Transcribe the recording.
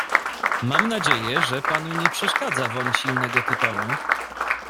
"Mam nadzieje że panu nie przeszkadza woń silnego tytoniu?"